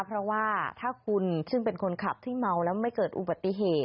เพราะว่าถ้าคุณซึ่งเป็นคนขับที่เมาแล้วไม่เกิดอุบัติเหตุ